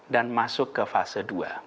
dan masuk ke fase dua